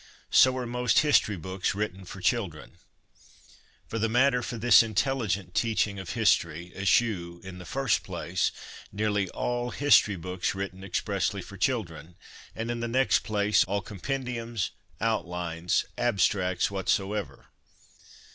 So are most History Books written for Chil dren. For the matter for this intelligent teaching of history, eschew, in the first place, nearly all history books written expressly for children ; and in the next place, all compendiums, outlines, abstracts whatsoever.